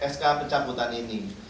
sk pencabutan ini